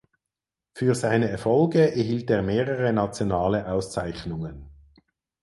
Für seine Erfolge erhielt er mehrere nationale Auszeichnungen.